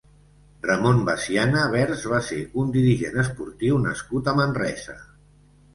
Ramon Basiana Vers va ser un dirigent esportiu nascut a Manresa.